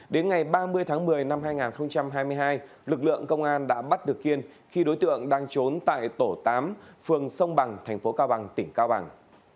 đến ngày ba mươi tháng một mươi năm hai nghìn hai mươi hai lực lượng công an đã bắt được kiên khi đối tượng đang trốn tại tổ tám phường sông bằng thành phố cao bằng tỉnh cao bằng